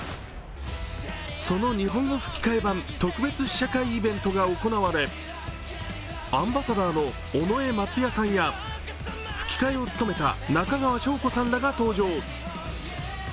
その日本語吹き替え版特別試写会イベントが行われ、アンバサダーの尾上松也さんや吹き替えを務めた中川翔子さんらが登場。